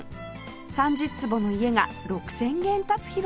３０坪の家が６０００軒建つ広さです